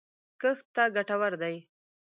کښت ته ګټور دی